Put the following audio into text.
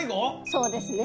そうですね。